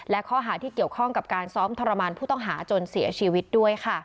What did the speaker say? และข้อหาที่เกี่ยวข้องกับการซ้อมทรมานผู้ต้องหาจนเสียชีวิตด้วยค่ะ